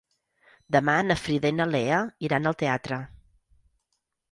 Demà na Frida i na Lea iran al teatre.